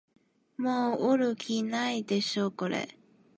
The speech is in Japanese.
もう売る気ないでしょこれ